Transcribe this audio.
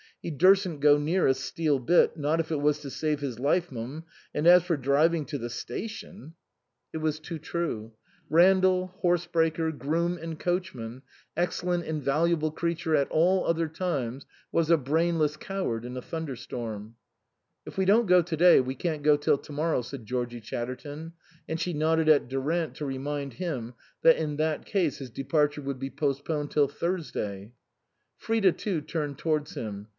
He dursn't go near a steel bit, not if it was to save his life, m'm, and as for driving to the station " 119 THE COSMOPOLITAN It was too true ; Randall, horse breaker, groom and coachman, excellent, invaluable creature at all other times, was a brainless coward in a thunderstorm. "If we don't go to day, we can't go till to morrow," said Georgie Chatterton, and she nodded at Durant to remind him that in that case his departure would be postponed till Thursday. Frida too turned towards him.